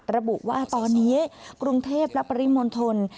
ระบุว่าตอนนี้กรุงเทพและปริมณฑล